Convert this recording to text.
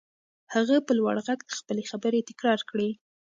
هغه په لوړ غږ خپلې خبرې تکرار کړې.